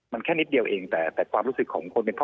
มันแค่นิดเดียวเองแต่ความรู้สึกของคนเป็นพ่อ